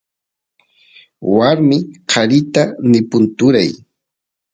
warmi qarita nipun tura